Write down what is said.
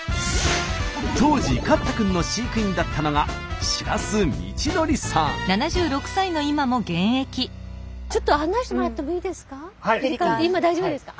当時カッタ君の飼育員だったのがちょっと案内してもらってもいいですか？